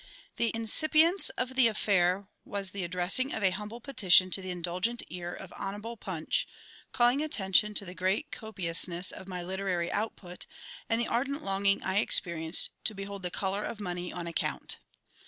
The incipience of the affair was the addressing of a humble petition to the indulgent ear of Hon'ble Punch, calling attention to the great copiousness of my literary out put, and the ardent longing I experienced to behold the colour of money on account.